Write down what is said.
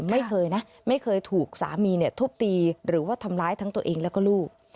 ไม่เคยนะไม่เคยถูกสามีทุบตีหรือว่าทำร้ายทั้งตัวเองแล้วก็ลูก